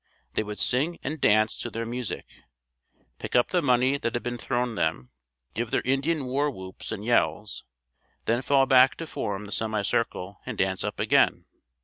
They would sing and dance to their music, pick up the money that had been thrown them, give their Indian war whoops and yells, then fall back to form the semi circle and dance up again.